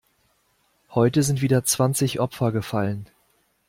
Heute sind wieder zwanzig Opfer gefallen.